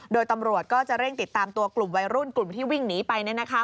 โดยตำรวจก็จะเร่งติดตามตัวกลุ่มวัยรุ่นกลุ่มที่วิ่งหนีไป